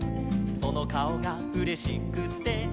「そのかおがうれしくて」